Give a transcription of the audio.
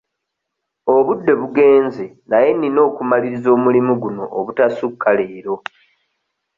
Obudde bugenze naye nnina okumaliriza omulimu guno obutasukka leero.